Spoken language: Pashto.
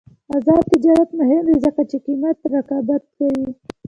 آزاد تجارت مهم دی ځکه چې قیمت رقابت کوي.